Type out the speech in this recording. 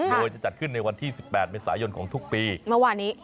โดยจะจัดขึ้นในวันที่๑๘เมษายนของทุกปีเมื่อวานนี้